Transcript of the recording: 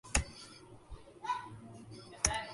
بطور ایک شیعہ فاطمی خلیفہ